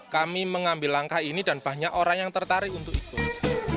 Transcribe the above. kami mengambil langkah ini dan banyak orang yang tertarik untuk ikut